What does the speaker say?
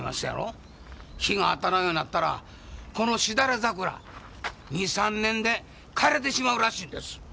日が当たらんようなったらこのしだれ桜２３年で枯れてしまうらしいんです。